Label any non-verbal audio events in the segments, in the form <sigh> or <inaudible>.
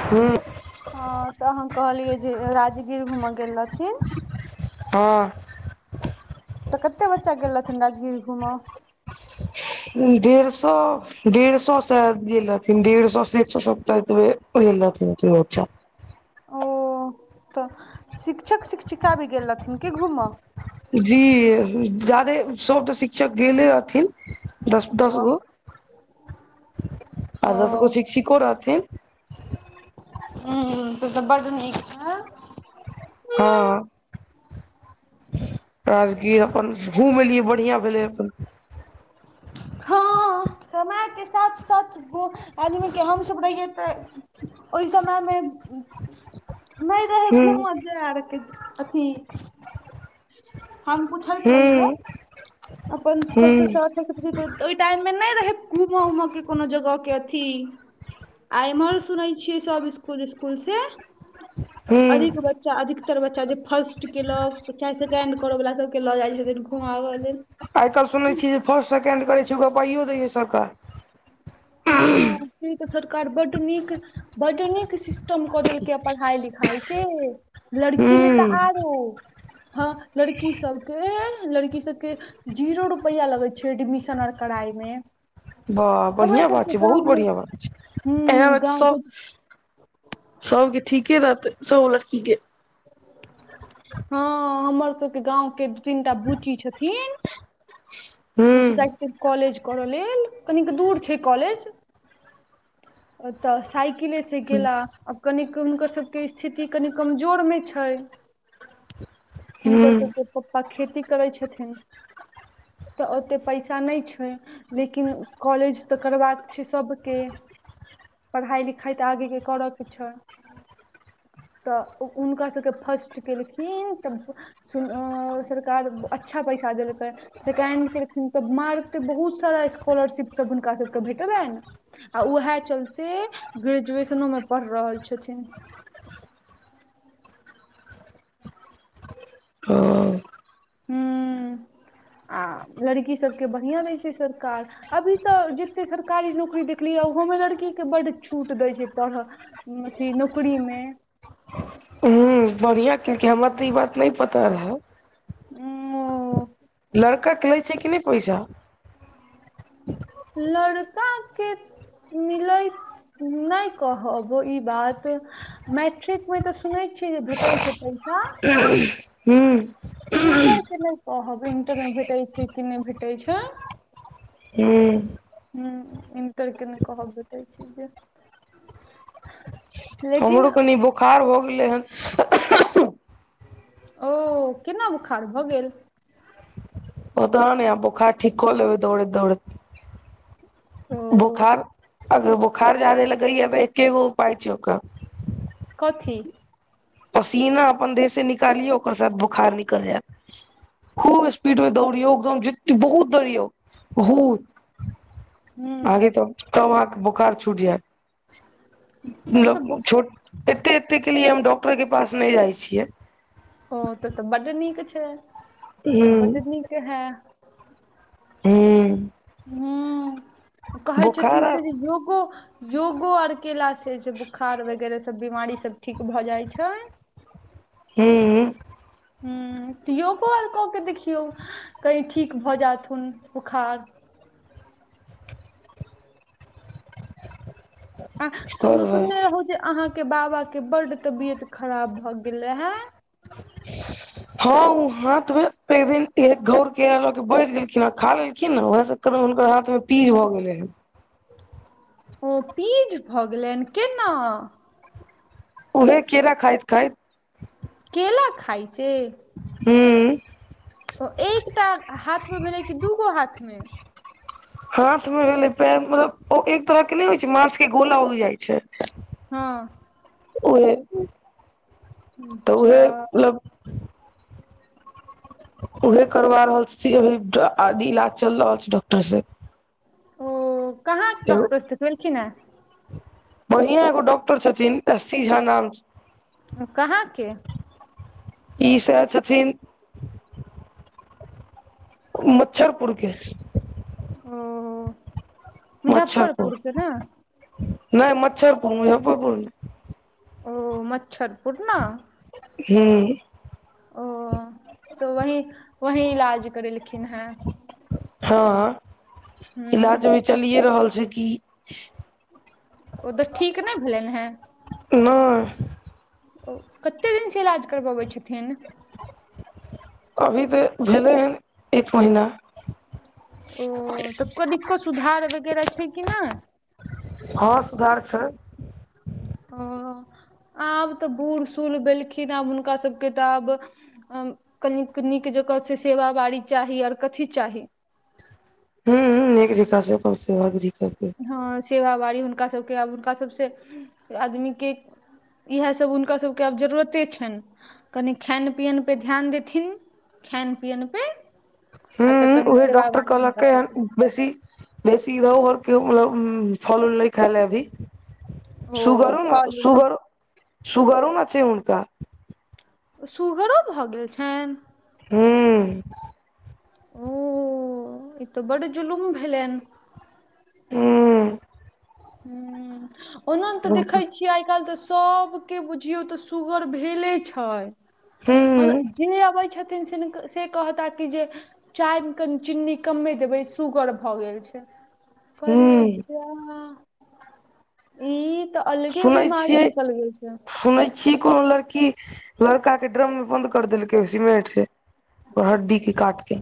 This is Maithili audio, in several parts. <unintelligible> हँ तऽ अह कहलियै जे राजगीर घूमऽ गेल रहथिन हँ तऽ कते बच्चा गेल रहथिन राजगीर घूमऽ डेढ़ सौ डेढ़ सौ सायैद गेल रहथिन डेढ़ सौ से एक सौ सत्तर ग रहथिन बच्चा ओ तऽ शिक्षक शिक्षिका भी गेल रहथिन क घूमऽ जी जादे सब तऽ शिक्षक गेले रहथिन दस दस ओ गो <inaudible> आ दस गो शिक्षिको रहथिन हूँ हूँ तब त बड निक हँ <inaudible> राजगीर अपन घूम एलियै बढ़िआँ भेलै अपन हँ समय के साथ साथ आदमी के हम सब रहियए ते ओ समयमे <inaudible> नहि रहै हूँ घूम जा आरके अथी हम पुछैत रहियै हूँ <inaudible> अपन सबसे हूँ सर ओहि टाइम मे नहि रहे घूमऽ उमय के कोनो जगह के अथी आ एम्हर सुनै छियै सब स्कूल स्कूल से हूँ अधिक बच्चा अधिकतर बच्चा जे फर्स्ट केलक चाहे सेकेंड करऽ वला सब के लऽ जाइ छथिन घुमाबऽ लेल ऐतह सुनै छी जे फर्स्ट सेकेण्ड करै छै ओ पाइयो दैए सरकार <inaudible> इ सरकार बड नीक बड नीक सिस्टम कऽ देलकै ह पढ़ाई लिखाई के लड़की ले तऽ हूँ आरो हँ लड़की सबके लड़की सबके जीरो रुपैआ लगै छै एडमिशन आर कड़ाई मे वाह हमरा बढ़िआँ बात सबके छै बहुत गाँव मे बढ़िआँ बात छै तै हूँ एत गाँव सब सबके ठीके रहतै सब लड़की के हँ हमर सबके भाँव के दू तीनटा बुची छथिन <inaudible> ओ सब जाइ छै कॉलेज करऽ लेल कनिक दूर छै कॉलेज तऽ साइकिल से हूँ गेले आब कन हुनकर सभके स्थिति कनि कमजोर मे छै <inaudible> हुनकर हँ सभसँ पप्पा खेती करै छथिन तऽ ओते पैसा नहि छै लेकिन कॉलेज तऽ करबाक छै सभके पढ़ाइ लिखाइ तऽ आगेके करऽके छै तऽ हुनका सबके फर्स्ट केलखिन तब सु सरकार अच्छा पैसा देलकै सेकेड केलखि तऽ मारिते बहुत सारा स्कॉलरशिपसभ हुनका सभ कऽ भेटलैन आ उहै चलते ग्रेजुएशनो मे पढ़ रहल छथिन हुँ आ लड़की सबके बढ़िया दै छै सरकार अभी तऽ जतेक सरकारी नौकरी देखलियै ओहोमे लड़कीके बड्ड छूट दैत छै पढ़ऽ अथि नौकरी मे हूँ बढ़िया केलकै हमरा तऽ ई बात नहि पता रहै <unintelligible> ओ लड़का केँ लै छै कि नहि पैसा लड़का केँ मिलैत नहि कहब ई बात मैट्रिक मे तऽ सुनै छियै जे भेटै छै पैसा हूँ इंटर केँ नहि कहब इंटर मे भेटै छै कि नहि भेटै छै हूँ हुँ इंटर केँ नइ कहब भेतै छै जे लेकिन हमरो कनि बोखार हो गेलै हन ओ केना बोखार भऽ गेल पता नइ आब बोखार ठीक कऽ लेबै दौड़ैत दौड़ैत ओ बोखार अगर बोखार जादे लगैय तऽ एके गो उपाय छै ओकर कथी पसीना अपन देह से निकालियौ ओकर साथ बोखार निकल जायत खूब स्पीड मे दौड़ियौ एकदम जेते बहुत दौड़ियौ बहुत आगे तऽ ह तब अहाँकेँ बोखार छूट जायत तऽ मतलब बुक- छोट एते एते केँ लिए हम डॉक्टर केँ पास नहि जाय छियै हँ तब तऽ बड्ड नीक छै तऽ हूं बड्ड नीक है हूँ हुँ कहैय छथिन से जे योगो योगो आर केलासँ से बोखार वगैरह सब बीमारी सब ठीक भऽ जाइ छै हूँ हूँ त योगो आर कऽ केँ देखियौ कही ठीक भऽ जाथुन बुखार <inaudible> आ करबै सुनने रहौ जे अहाँकेँ बाबा केँ बड्ड तबियत खराब भऽ गेल रहै <inaudible> हँ ओ हाथ मे एकदिन एक घौर केला लके बैठ गेलखिन आ खा लेलखिन नऽ उहै सँ एखनो हुनकर हाथ मे पीज भऽ गेलै हन ओ पीज भऽ गेलनि केना उहे केरा खाइत खाइत केला खाइ से हूँ ओ एकटा हाथ मे भेलै कि दूगो हाथ मे हाथ मे भेलै पैर मतलब ओ एक तरह केँ नहि होइ छै मास केँ गोला उग जाइ छै ह ओ <unintelligible> मतलब उहे करवा रहल छी अभी इलाज चल रहल छै। डॉक्टर से ओ कहाँ डॉक्टर सँ देख भेलखि है बढ़िआ एगो डॉक्टर छथिन एसी झा नाम कहाँकेँ ईसै छथिन। मच्छरपुर के ओ। मच्छर पुर मुजफ्फरपुर के ने नहि मच्छर पुर मुजफ्फरपुर नै ओ मच्छर पूर न हू। तऽ वही वही इलाज करेलखिन है हँ इलाज हूँ अभी चलिए रहल छै। कि ओ तऽ ठीक नहि भेलैन हैं। नहि। ओ कते दिनसँ इलाज करबै छथिन। अभी तऽ भेलै हन एक महीना। ओ तऽ कनिको सुधार वगैरह छै कि नहि। हँ, सुधार छै। ह आब तऽ बूढ़ सूढ़ भेलखिन आब हुनका सभके तऽ आब। कन निक जकाँ से सेवा बारी चाही आऔर कथि चाही हू, हू निक जगह से अपन सेवा विछी करवै हँ सेवाबारी हुनका सभके आब हुनका सभसँ आदमी के इहे सब हुनका सभके आब जरूरते छन कनि खायन पियन पे ध्यान देथिन खैन पियन पे हूँ आ तऽ कनि उहे सेव डॉक्टर बारी हुनका कहलकै हन सभके बेसी बेसी इधर उधर के मतलब फल उल नहि खायइ ले अभी। ओ सुगरो न फल उल सुगरो नहि सुगरो नै छै हुनका सुुगरो भऽ गेल छनि। हू। ओ ई तऽ बड़ जुलुम भेलनि हूँ। ह ओना तऽ देखैत छियै आइ काल्हि तऽ सभ। के बुझियौ तऽ सुगर भेले छै हूँ जे अबै छथिन सिनका से कहता कि जे चाय मे कनी चिन्नी कमे देबै सुगर भऽ गेल छै। कहलियै हूँ जा। ई तऽ अलगे बीमारी निकल गेल है। छी कोनो लड़की लड़का के ड्रम मे बंद कर देलकै ओ सिमेट से ओकर हड्डीके काट के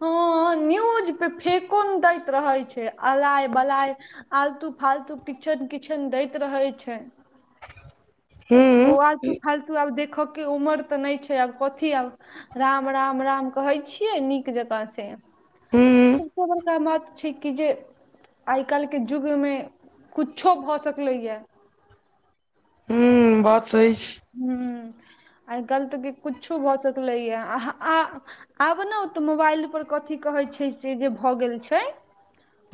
हँ न्यूज पे फेको नहि दैत रहे छै, अलाय बलाय आलतू फालतू किछो किछो न दैत रहे छै ओ हूँ आलतु फालतु आब देख के। के उमर तऽ नहि छै आब कथि आब राम राम राम कहै छियै निक जकाँ से हूँ एते बरका मत। छै कि जे आइ काल्हिके जुगमे कुछो भऽ सकलै या हू, बात सही छै। ह्म आइ गलत कि कुछो भऽ सकलैया आ आब न ओ तऽ मोबाइल पर कथी कहै छै से जे भऽ गेल छै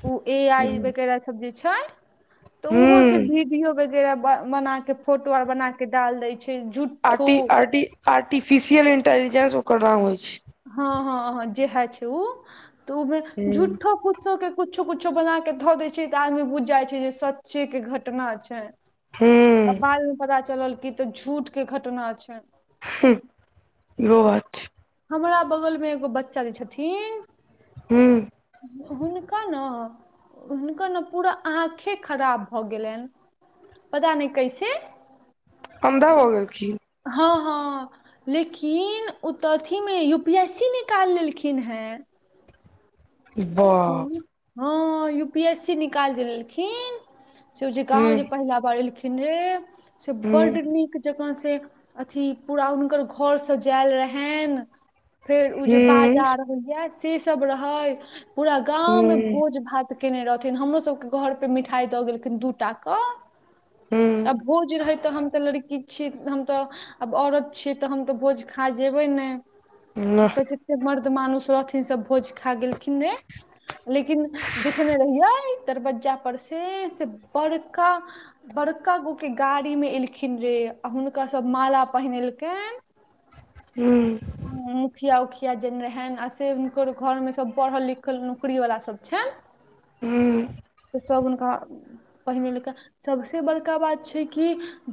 ओ ए आई वगैरह सब जे छै तऽ ओहो से हूँ विडियो वगैरह बना के फोटो आर बना के डाल दय छै झूट आर्टि आर्टि आर्टिफिशियल इंटेलिजेंस ओकर नाम होइ छै हँ हँ हँ जेहा छै ओ त ओमे झूठो कुछ के कुछो कुछो बना के धऽ देै छै तऽ आदमी बुझ जाइ छै जे सच्चे के घटना छै ह्म आ बाद मे पता चलल कि ई तऽ झूठ के घटना छै ह्ह इहो बात औछै हमरा बगलमे एगो बच्चा जे छथिन हू हुनका न हुनका न पूरा आँखे खराब भऽ गेलनि पता नय कैसे अन्धा भऽ गेल की हँ हँ लेकिन ओ त अथीमे यू पी एस सी निकालि लेलखिन हँ बाप हँ यू पी एस सी निकाल जे लेलखिन से ओ जे हूँ गांव जे पहिला बार एलखिन से बड हूँ नीक जकाँ से अथी पूरा हुनकर घर सजायल रहेैन फेर उ जे हूँ बाजा से सब रहै पूरा गाँंव में हूँ भोज भात केने रहथिन हमरो सबके घर पे मिठाई दऽ गेलखिन दू टा के आ भोज रहै तऽ हम त लड़की छी हम तऽ आब औरत छी तऽ हम तऽ भोज खा जेबै हूँ नहि तऽ जते मर्द मानुष रहथिन सब भोज खाय गेलखिन रे लेकिन देखने रहियै दरवज्जा पर से से बड़का बड़का गो के गाड़ी मे एलखिन रे आ हुनका सब माला पहिनेलकैन <inaudible> हूँ ह मुखिया उखिया जेन रहेन आ से हुनकर घरमे सब पढ़ल लिखल नौकरी वाला सब छै हूँ सब हुनका पहिने लि क सबस बड़का बात छै कि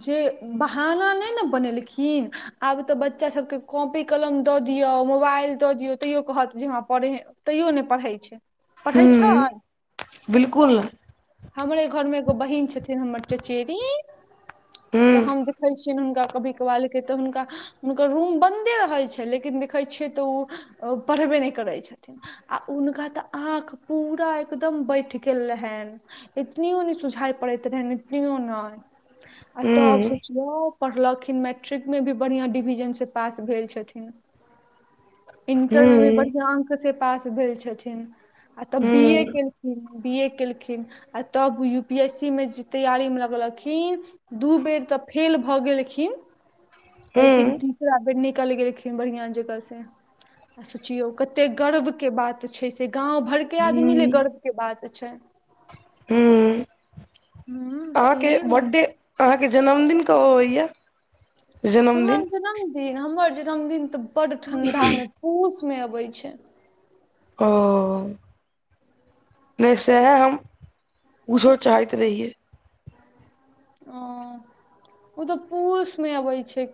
जे बहाना नहि ने बनेलखिन आब तऽ बच्चा सबके कॉपी कलम दऽ दियौ मोबाइल दऽ दियौ तैयो कहत जे हँ पढ़े तैयो नय पढ़ै छै पढ़ै छै हूं बिलकुल हमरे घर मे एगो बहिन छथिन हमर चचेरी हूं तऽ हम देखय छियनि हुनका कभी कभालके तऽ हुनका हुनकर रूम बन्दे रहैत छै लेकिन देखैत छियै तऽ ओ पढ़बे नहि करैत छथिन आ हुनका त आँख पूरा एकदम बैठ गेल रहैन एतनीयो नय सुझाय पड़ैत रहन इतनीयो नय आ हूं तब सोचियौ पढ़लखिन मैट्रिक मे भी बढ़ियाँ डिविजनसँ पास भेल छथिन हूं इंटर मे हूं भी बढ़ियाँ अंक स पास भेल छथिन आ तऽ बी ए केलखिन बी ए केलखिन आ तब यू पी एस सी मे जे तैयारी मे लगलखिन दू बेर तऽ फेल भऽ गेलखिन हूं लेकिन। बेर निकल गेलखिन बढ़िया जगह से आ सोचियौ कते गर्व के बात छै से गाव भइर के हूं आदमी ले गर्व के बात छै। हूँ की अहाँकेँ बर्थडे अहाँकेँ जन्मदिन कब होइये हमर जन्मदिन हमर जन्मदिन तऽ बड़ ठंडा मे पूसमे अबै छै ओ। नहि सैहै हम पुछो चाहैत रहियै। ओ ओ तऽ पूस मे अबै छै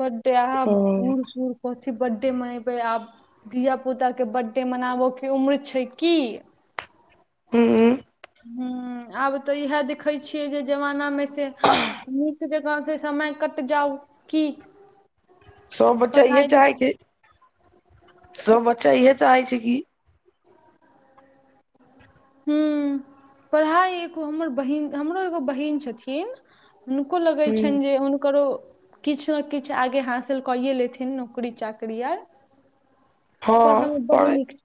बर्थडे आ ओ बुढ सूर कथि बर्थडे मे आब धियापुता के बर्थडे मनाबय के उम्र छै कि हँ। ह आब तऽ इएह देखैत छियै जे जमाना मे से निक जकाँ से समय कट जाउ की सभ बच्चा इहे पढ़ाइ चाहे लिखाइ छै सब बच्चा इहे चाहे छै कि हू, पढ़ाइ एगो हमर बहिन हमरो एगो बहिन छथिन हुनको लगैत हूं छनि जे हुनकरो। किछु ने किछु आगे हासिल कै ये लेथिन नौकरी चाकरी आर हँ पढल बड़ पर निक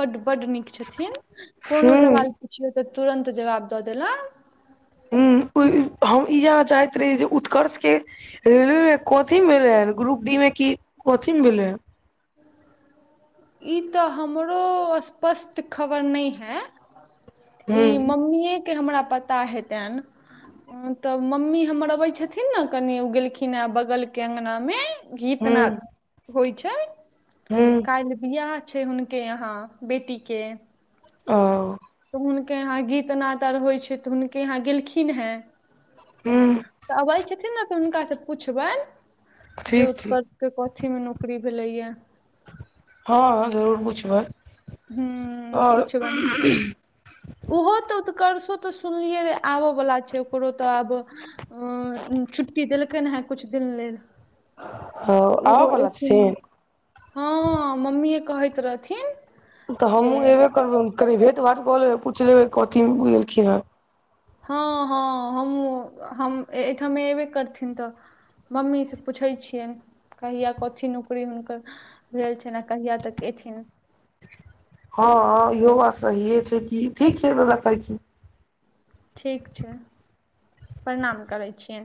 बड्ड बड्ड निक छथिन कोनो हूं सवाल पुछियौ तऽ तुरन्त जवाब दऽ देला हूं हम इएह चाहैत रही जे उत्कर्ष के रेलवे मे कथि भेले ह ग्रुप डी में की कथि मे भेलै ई तऽ हमरो स्पष्ट खबर नहि हइ। ई हूँ मम्मी के हमरा पता हेतनि तब मम्मी हमर अबै छथिन ने कनि ओ गेलखिन ह बगलके अंगना मे गीत नाद हूँ होइ छै हूँ काल्हि बिआह छै हुनके यहा बेटी के ओ। तऽ हुनके यहाँ गीत नाद आर होइ छै तऽ हुनके यहाँ गेलखिन हे हूँ तऽ अबै छथिन ने तऽ हुनका सँ पूछबनि जे ठीक उत ठीक के कथि मे नौकरी भेलैये हँ जरूर पुछबै हूं आउर। पुछबनि हुनका ओहो तऽ उत्कर्षो तऽ सुनलियै रहए आबयवला छै, ओकरो तऽ आब आ चुटी देलक ने है कुछ दिन लेद ओ, तऽ आबऽ ओहो बला छथिन एथिन हँ मम्मी कहैत रहथिन तऽ जे हमहुँ एबे करबै कनि भेट भाँट कऽ लेबै पूछि लेबै कथी गेलखिन हे हँ हँ हम एहिठमे एबे करथिन तऽ। मम्मी सँ पूछैत छियनि कहिया कथी नौकरी हुनकर भेल छै ने कहिया तक एथिन। हँ ह योवा सहि छै क ठीक छै रखै छी। ठीक छै प्रणाम करै छिये।